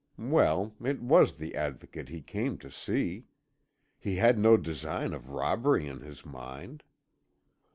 Well, it was the Advocate he came to see; he had no design of robbery in his mind.